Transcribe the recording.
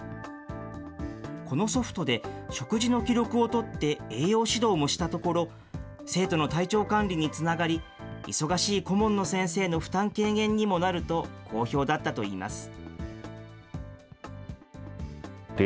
このソフトで食事の記録を取って栄養指導もしたところ、生徒の体調管理につながり、忙しい顧問の先生の負担軽減にもなると好評だったといいます。